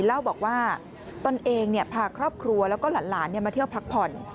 เล่าบอกว่าตนเองพาครอบครัวแล้วก็หลานมาเที่ยวพักผ่อน